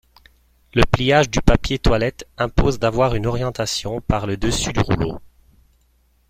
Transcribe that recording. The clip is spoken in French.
Le pliage du papier toilette impose d'avoir une orientation par le dessus du rouleau.